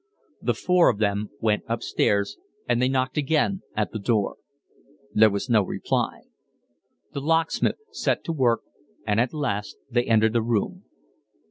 The four of them went upstairs, and they knocked again at the door. There was no reply. The locksmith set to work, and at last they entered the room.